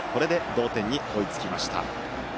同点に追いつきました。